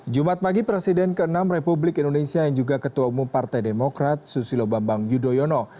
jumat pagi presiden ke enam republik indonesia yang juga ketua umum partai demokrat susilo bambang yudhoyono